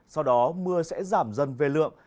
sau đó mưa sẽ giảm dần về lượng